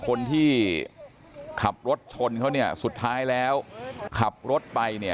คนที่ขับรถชนเขาสุดท้ายแล้วขับรถไป